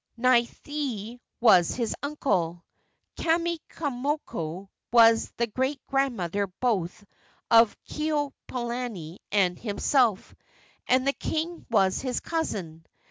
Naihe was his uncle; Kamakaimoku was the great grandmother both of Keopuolani and himself, and the king was his cousin.